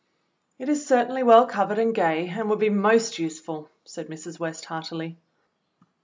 "It is certainly well covered and gay, and would be most useful," said Mrs, West heartily.